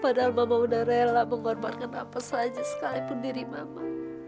padahal mama udah rela mengorbankan apa saja sekalipun diri mama